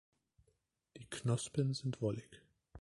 Die Knospen sind wollig.